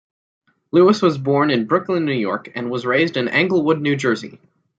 Lewis was born in Brooklyn, New York and was raised in Englewood, New Jersey.